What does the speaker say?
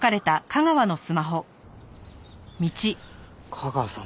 架川さん